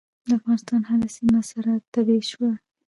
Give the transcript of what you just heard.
د افغانستان هره سیمه سره تبۍ شوه.